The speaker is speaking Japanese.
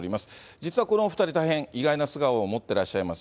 実はこのお２人、大変意外な素顔を持ってらっしゃいます。